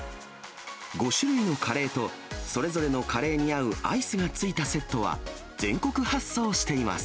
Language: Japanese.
５種類のカレーと、それぞれのカレーに合うアイスがついたセットは、全国発送しています。